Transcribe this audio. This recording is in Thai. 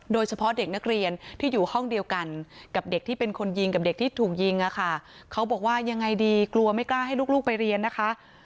โดยเฉพาะเด็กนักเรียนที่อยู่ห้องเดียวกันกับเด็กที่เป็นคนยิงกับเด็กที่ถูกยิงอะค่ะเขาบอกว่ายังไงดีกลัวไม่กล้าให้ลูกไปเรียนนะคะ